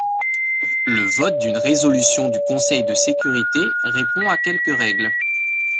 Le vote d’une résolution du Conseil de sécurité répond à quelques règles.